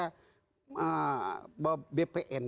bahwa mereka berpengaruh di indonesia ini ya